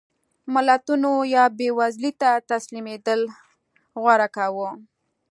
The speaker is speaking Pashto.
ملتونو یا بېوزلۍ ته تسلیمېدل غوره کاوه.